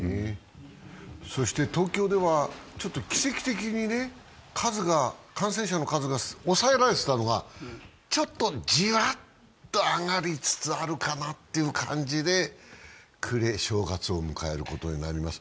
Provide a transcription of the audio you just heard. そして東京では奇跡的に感染者の数が抑えられていたのがちょっとじわっと上がりつつあるかなという感じで、暮れ、正月を迎えることになります